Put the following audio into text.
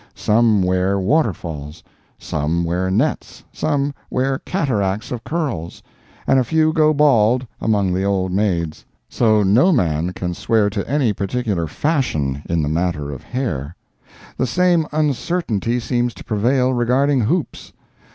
Some wear waterfalls, some wear nets, some wear cataracts of curls, and a few go bald, among the old maids; so no man can swear to any particular "fashion" in the matter of hair. The same uncertainty seems to prevail regarding hoops.